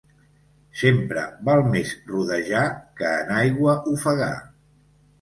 Sempre val més rodejar que en aigua ofegar.